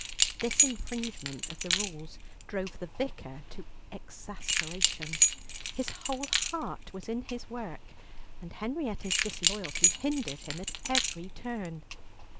This infringement of the rules drove the Vicar to exasperation. His whole heart was in his work, and Henrietta's disloyalty hindered him at every turn.